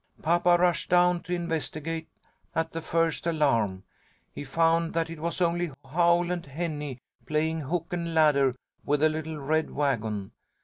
"Papa rushed down to investigate, at the first alarm. He found that it was only Howl and Henny playing hook and ladder with a little red wagon.